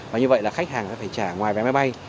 và như vậy là khách hàng sẽ phải trả ngoài vé máy bay